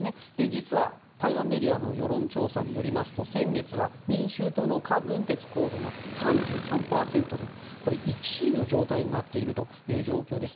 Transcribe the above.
実は、台湾メディアの世論調査によりますと先月は民衆党のカ・ブンテツ候補が３３％で１位の状態になっている状況です。